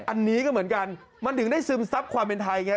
อันนี้ก็เหมือนกันมันถึงได้ซึมซับความเป็นไทยไง